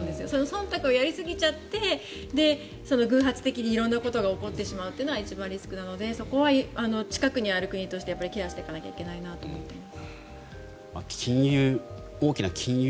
そんたくをやりすぎちゃって偶発的に色んなことが起こってしまうというのが一番リスクなのでそこは近くにある国としてケアしていかなきゃいけないなと思っている。